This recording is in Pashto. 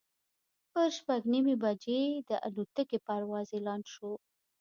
پر شپږ نیمې بجې د الوتکې پرواز اعلان شو.